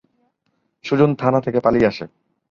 সুজন থানা থেকে পালিয়ে আসে।